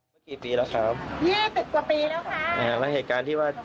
แต่ได้ยินข่าวใช่ไหมครับ